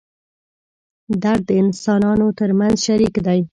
درد د انسانانو تر منځ شریک دی.